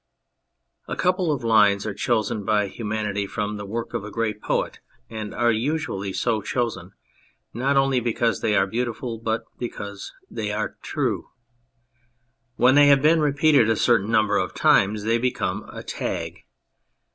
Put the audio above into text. A couple, of lines are chosen by humanity from the work of a great poet, and are usually so chosen not only because they are beauti ful, but because they are true. When they have been repeated a certain number of times they become a tag.